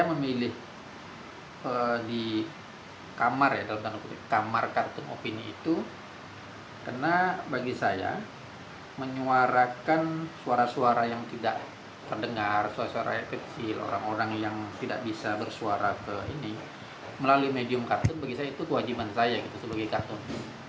melalui medium kartun bagi saya itu kewajiban saya sebagai kartun